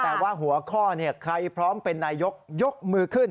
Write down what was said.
แต่ว่าหัวข้อใครพร้อมเป็นนายกยกมือขึ้น